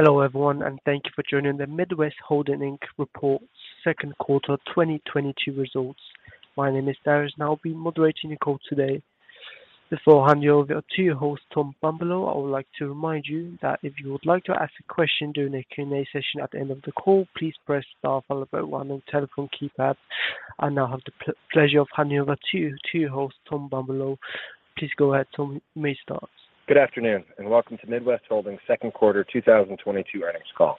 Hello everyone, and thank you for joining the Midwest Holding Inc. report second quarter 2022 results. My name is Darius, and I'll be moderating the call today. Before I hand you over to your host, Thomas Bumbolow, I would like to remind you that if you would like to ask a question during the Q&A session at the end of the call, please press star followed by one on telephone keypad. I now have the pleasure of handing over to your host, Thomas Bumbolow. Please go ahead, Tom. You may start. Good afternoon, and welcome to Midwest Holding's Q2 2022 earnings call.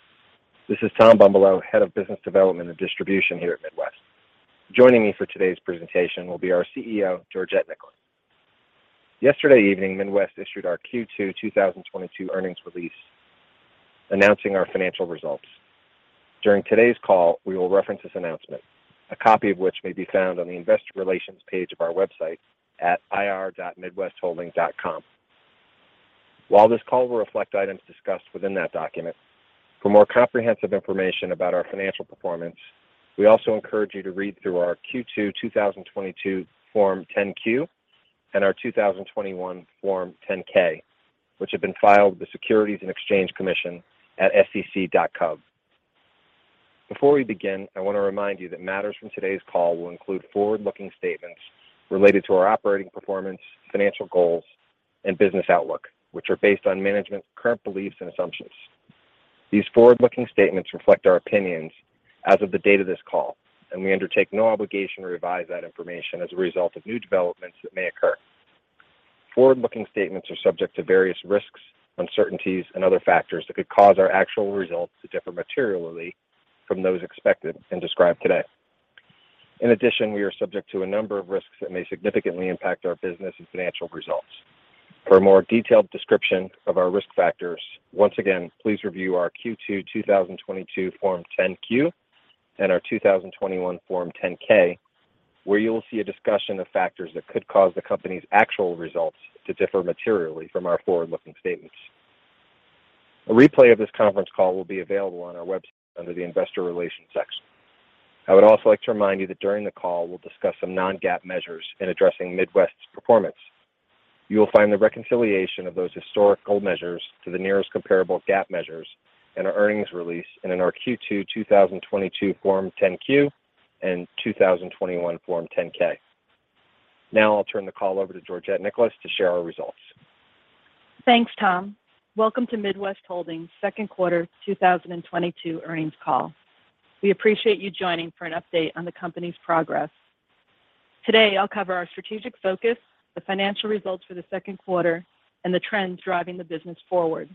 This is Tom Bumbolow, Head of Business Development and Distribution here at Midwest. Joining me for today's presentation will be our CEO, Georgette Nicholas. Yesterday evening, Midwest issued our Q2 2022 earnings release announcing our financial results. During today's call, we will reference this announcement, a copy of which may be found on the investor relations page of our website at ir.midwestholding.com. While this call will reflect items discussed within that document, for more comprehensive information about our financial performance, we also encourage you to read through our Q2 2022 Form 10-Q and our 2021 Form 10-K, which have been filed with the Securities and Exchange Commission at sec.gov. Before we begin, I want to remind you that matters from today's call will include forward-looking statements related to our operating performance, financial goals, and business outlook, which are based on management's current beliefs and assumptions. These forward-looking statements reflect our opinions as of the date of this call, and we undertake no obligation to revise that information as a result of new developments that may occur. Forward-looking statements are subject to various risks, uncertainties, and other factors that could cause our actual results to differ materially from those expected and described today. In addition, we are subject to a number of risks that may significantly impact our business and financial results. For a more detailed description of our risk factors, once again, please review our Q2 2022 Form 10-Q and our 2021 Form 10-K, where you'll see a discussion of factors that could cause the company's actual results to differ materially from our forward-looking statements. A replay of this conference call will be available on our website under the Investor Relations section. I would also like to remind you that during the call we'll discuss some non-GAAP measures in addressing Midwest's performance. You will find the reconciliation of those historical measures to the nearest comparable GAAP measures in our earnings release and in our Q2 2022 Form 10-Q and 2021 Form 10-K. Now I'll turn the call over to Georgette Nicholas to share our results. Thanks, Tom. Welcome to Midwest Holding Inc.'s second quarter 2022 earnings call. We appreciate you joining for an update on the company's progress. Today, I'll cover our strategic focus, the financial results for the second quarter, and the trends driving the business forward.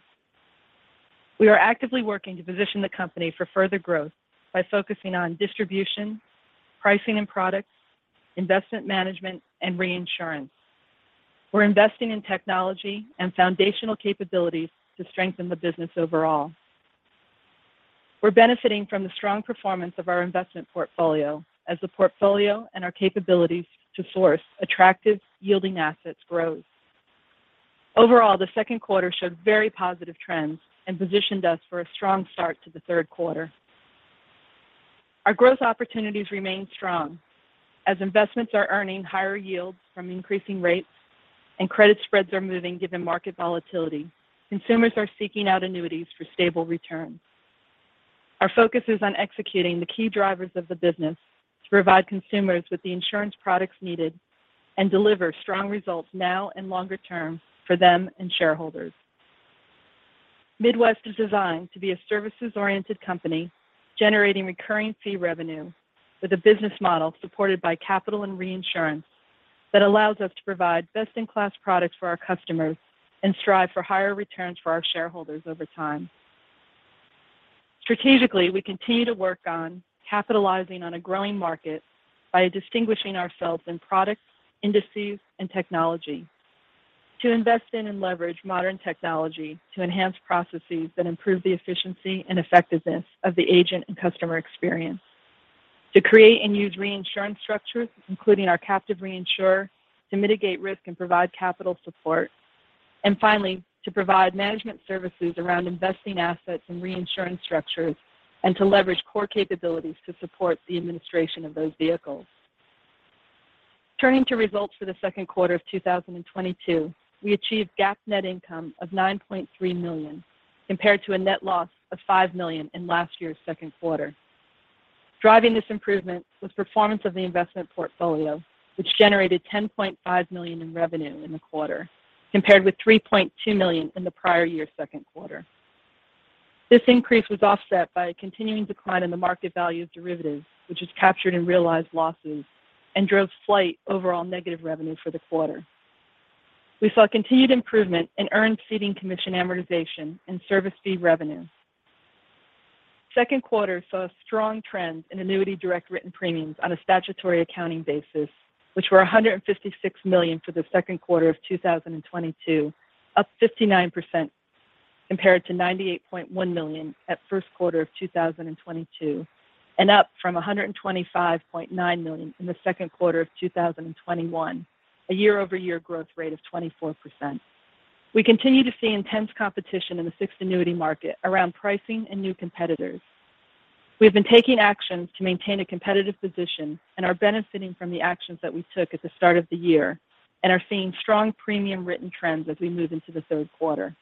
We are actively working to position the company for further growth by focusing on distribution, pricing and products, investment management, and reinsurance. We're investing in technology and foundational capabilities to strengthen the business overall. We're benefiting from the strong performance of our investment portfolio as the portfolio and our capabilities to source attractive yielding assets grows. Overall, the second quarter showed very positive trends and positioned us for a strong start to the third quarter. Our growth opportunities remain strong. As investments are earning higher yields from increasing rates and credit spreads are moving given market volatility, consumers are seeking out annuities for stable returns. Our focus is on executing the key drivers of the business to provide consumers with the insurance products needed and deliver strong results now and longer term for them and shareholders. Midwest is designed to be a services-oriented company generating recurring fee revenue with a business model supported by capital and reinsurance that allows us to provide best-in-class products for our customers and strive for higher returns for our shareholders over time. Strategically, we continue to work on capitalizing on a growing market by distinguishing ourselves in products, indices, and technology to invest in and leverage modern technology to enhance processes that improve the efficiency and effectiveness of the agent and customer experience to create and use reinsurance structures, including our captive reinsurer, to mitigate risk and provide capital support. Finally, to provide management services around investing assets and reinsurance structures and to leverage core capabilities to support the administration of those vehicles. Turning to results for the second quarter of 2022, we achieved GAAP net income of $9.3 million, compared to a net loss of $5 million in last year's second quarter. Driving this improvement was performance of the investment portfolio, which generated $10.5 million in revenue in the quarter, compared with $3.2 million in the prior year's second quarter. This increase was offset by a continuing decline in the market value of derivatives, which was captured in realized losses and drove slight overall negative revenue for the quarter. We saw continued improvement in earned ceding commission amortization and service fee revenue. Second quarter saw strong trends in annuity direct written premiums on a statutory accounting basis, which were $156 million for the second quarter of 2022, up 59% compared to $98.1 million at first quarter of 2022, and up from $125.9 million in the second quarter of 2021, a year-over-year growth rate of 24%. We continue to see intense competition in the fixed annuity market around pricing and new competitors. We've been taking actions to maintain a competitive position and are benefiting from the actions that we took at the start of the year and are seeing strong premium written trends as we move into the third quarter.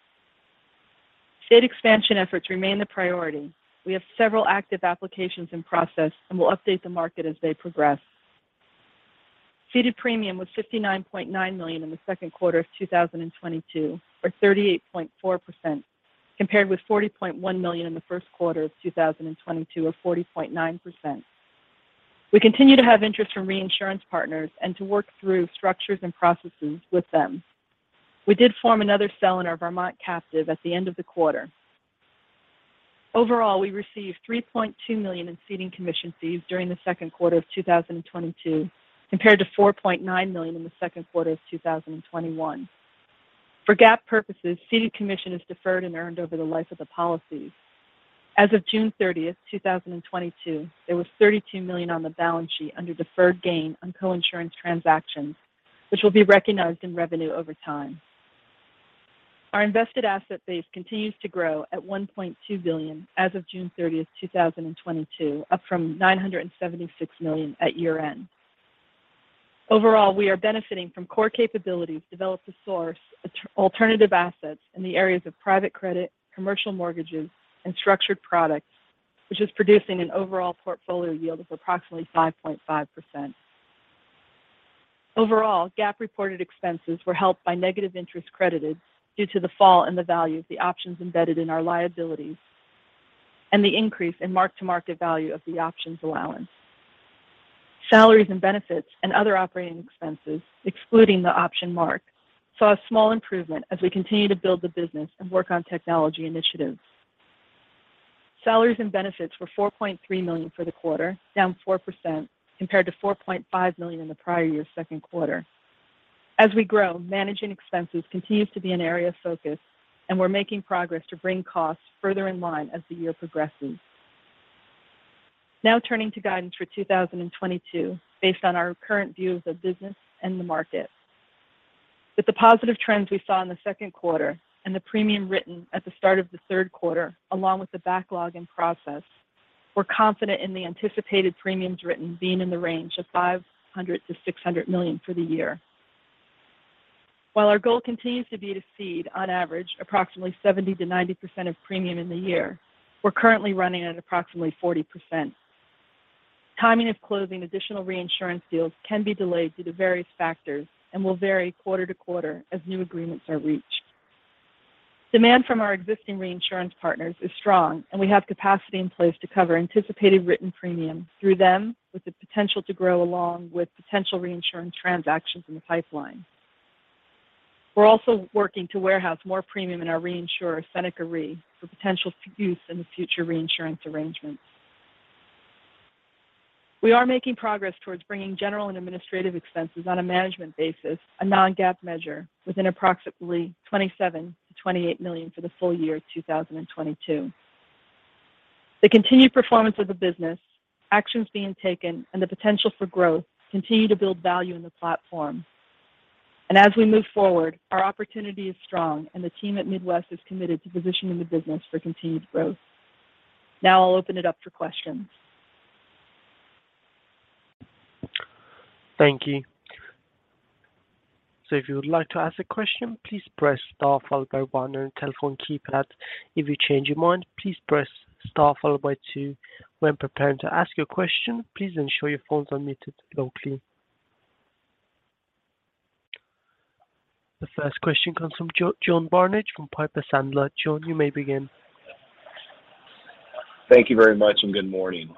Ceded expansion efforts remain the priority. We have several active applications in process and will update the market as they progress. Ceded premium was $59.9 million in the second quarter of 2022, or 38.4% compared with $40.1 million in the first quarter of 2022 or 40.9%. We continue to have interest from reinsurance partners and to work through structures and processes with them. We did form another cell in our Vermont captive at the end of the quarter. Overall, we received $3.2 million in ceding commission fees during the second quarter of 2022, compared to $4.9 million in the second quarter of 2021. For GAAP purposes, ceding commission is deferred and earned over the life of the policy. As of June thirtieth, 2022, there was $32 million on the balance sheet under deferred gain on coinsurance transactions, which will be recognized in revenue over time. Our invested asset base continues to grow at $1.2 billion as of June thirtieth, 2022, up from $976 million at year-end. Overall, we are benefiting from core capabilities developed to source alternative assets in the areas of private credit, commercial mortgages and structured products, which is producing an overall portfolio yield of approximately 5.5%. Overall, GAAP reported expenses were helped by negative interest credited due to the fall in the value of the options embedded in our liabilities and the increase in mark-to-market value of the options allowance. Salaries and benefits and other operating expenses, excluding the option mark, saw a small improvement as we continue to build the business and work on technology initiatives. Salaries and benefits were $4.3 million for the quarter, down 4% compared to $4.5 million in the prior year's second quarter. As we grow, managing expenses continues to be an area of focus, and we're making progress to bring costs further in line as the year progresses. Now turning to guidance for 2022 based on our current views of business and the market. With the positive trends we saw in the second quarter and the premium written at the start of the third quarter, along with the backlog in process, we're confident in the anticipated premiums written being in the range of $500 million-$600 million for the year. While our goal continues to be to cede on average approximately 70%-90% of premium in the year, we're currently running at approximately 40%. Timing of closing additional reinsurance deals can be delayed due to various factors and will vary quarter to quarter as new agreements are reached. Demand from our existing reinsurance partners is strong and we have capacity in place to cover anticipated written premium through them with the potential to grow along with potential reinsurance transactions in the pipeline. We're also working to warehouse more premium in our reinsurer, Seneca Re, for potential use in the future reinsurance arrangements. We are making progress towards bringing general and administrative expenses on a management basis, a non-GAAP measure, within approximately $27 million-$28 million for the full year of 2022. The continued performance of the business, actions being taken, and the potential for growth continue to build value in the platform. As we move forward, our opportunity is strong and the team at Midwest is committed to positioning the business for continued growth. Now I'll open it up for questions. Thank you. If you would like to ask a question, please press star followed by one on your telephone keypad. If you change your mind, please press star followed by two. When preparing to ask your question, please ensure your phones are muted locally. The first question comes from John Barnidge from Piper Sandler. John, you may begin. Thank you very much and good morning.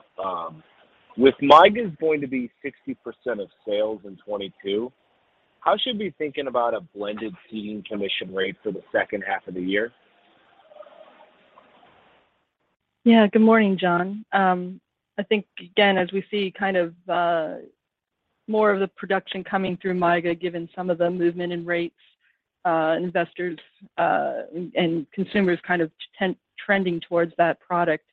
With MYGA going to be 60% of sales in 2022, how should we be thinking about a blended ceding commission rate for the second half of the year? Yeah. Good morning, John. I think again, as we see kind of more of the production coming through MYGA, given some of the movement in rates, investors and consumers kind of trending towards that product,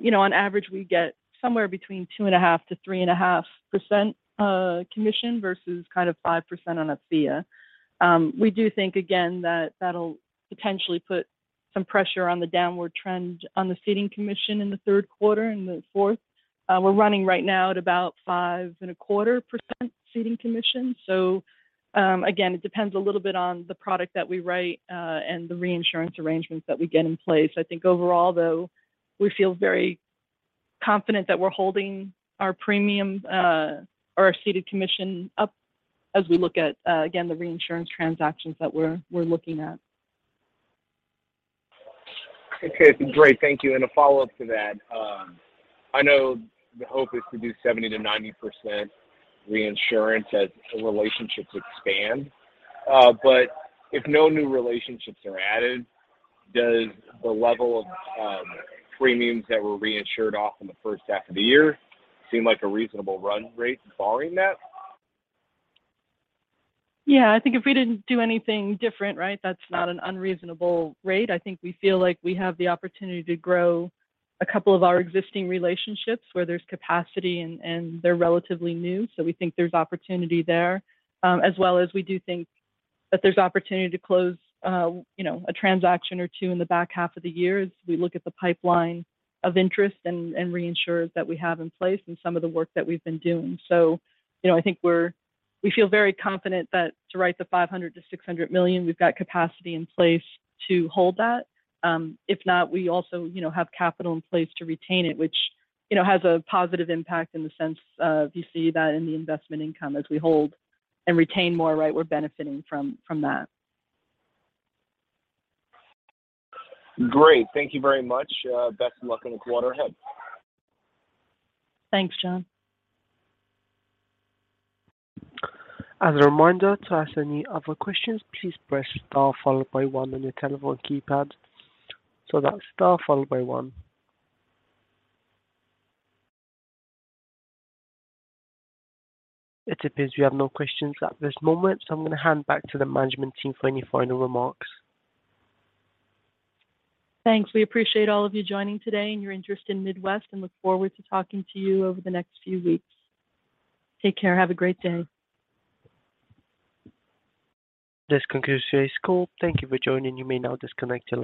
you know, on average, we get somewhere between 2.5%-3.5% commission versus kind of 5% on a FIA. We do think again that that'll potentially put some pressure on the downward trend on the ceding commission in the third quarter and the fourth. We're running right now at about 5.25% ceding commission. Again, it depends a little bit on the product that we write and the reinsurance arrangements that we get in place. I think overall, though, we feel very confident that we're holding our premium, or our ceding commission up as we look at, again, the reinsurance transactions that we're looking at. Okay. Great. Thank you. A follow-up to that. I know the hope is to do 70%-90% reinsurance as relationships expand. If no new relationships are added, does the level of premiums that were reinsured off in the first half of the year seem like a reasonable run rate barring that? Yeah. I think if we didn't do anything different, right, that's not an unreasonable rate. I think we feel like we have the opportunity to grow a couple of our existing relationships where there's capacity and they're relatively new. We think there's opportunity there. As well as we do think that there's opportunity to close, you know, a transaction or two in the back half of the year as we look at the pipeline of interest and reinsurers that we have in place and some of the work that we've been doing. You know, I think we feel very confident that to write the $500 million-$600 million, we've got capacity in place to hold that. If not, we also, you know, have capital in place to retain it, which, you know, has a positive impact in the sense of you see that in the investment income as we hold and retain more, right, we're benefiting from that. Great. Thank you very much. Best of luck in the quarter ahead. Thanks, John. As a reminder, to ask any other questions, please press star followed by one on your telephone keypad. That's star followed by one. It appears we have no questions at this moment, so I'm gonna hand back to the management team for any final remarks. Thanks. We appreciate all of you joining today and your interest in Midwest, and look forward to talking to you over the next few weeks. Take care. Have a great day. This concludes today's call. Thank you for joining. You may now disconnect your line.